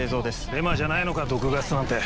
デマじゃないのか毒ガスなんて。